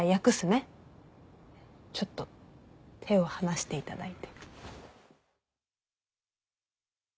ちょっと手を離していただいて。